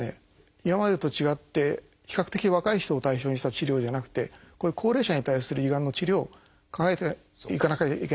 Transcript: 今までと違って比較的若い人を対象にした治療じゃなくてこういう高齢者に対する胃がんの治療を考えていかなきゃいけないという。